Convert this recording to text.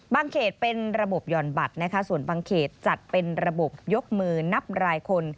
เขตเป็นระบบหย่อนบัตรนะคะส่วนบางเขตจัดเป็นระบบยกมือนับรายคน